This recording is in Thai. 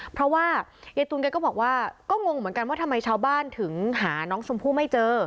เพราะว่ายายตุลแกก็บอกว่าก็งงเหมือนกันว่าทำไมชาวบ้านถึงหาน้องชมพู่ไม่เจอ